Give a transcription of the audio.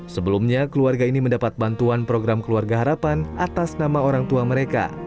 sebelumnya keluarga ini mendapat bantuan program keluarga harapan atas nama orang tua mereka